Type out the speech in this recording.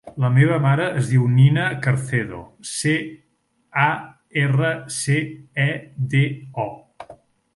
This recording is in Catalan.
La meva mare es diu Nina Carcedo: ce, a, erra, ce, e, de, o.